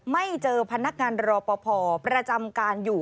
ไม่เจอพนักงานรอปภประจำการอยู่